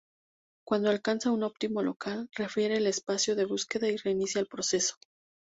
Cuando alcanza un óptimo local, refina el espacio de búsqueda y reinicia el proceso.